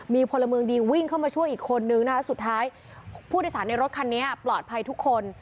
มีพลเมืองดีวิ่งเข้ามาช่วยอีกคนนึงนะคะสุดท้ายผู้โดยสารในรถคันนี้ปลอดภัยทุกคน